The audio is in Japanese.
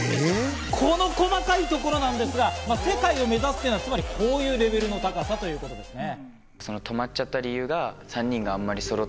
この細かいところなんですが、世界を目指すというのは、つまりこういうレベルの高さということなんですね。